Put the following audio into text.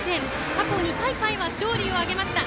過去２大会は勝利を挙げました。